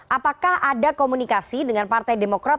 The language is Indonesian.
apakah ada komunikasi dengan partai demokrat